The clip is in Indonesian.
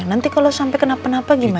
nanti kalau sampai kenapa kenapa gimana